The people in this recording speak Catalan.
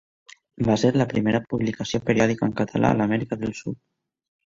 Va ser la primera publicació periòdica en català a l'Amèrica del Sud.